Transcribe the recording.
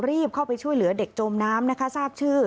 รีบเข้าไปช่วยเหลือเด็กจมน้ำนะคะทราบชื่อ